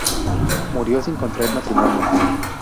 Murió sin contraer matrimonio.